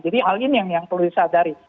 jadi hal ini yang perlu disadari